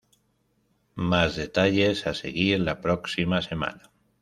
Más detalles a seguir la próxima semana".